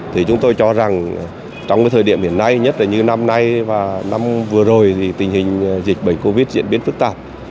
thì chúng tôi cho rằng trong cái thời điểm hiện nay nhất là như năm nay và năm vừa rồi thì tình hình dịch bệnh covid diễn biến phức tạp